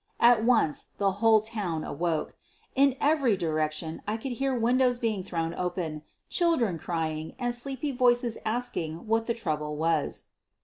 At once the whole town awoke. In every direction I could hear windows being thrown open, children crying, and sleepy voices asking what the trouble was.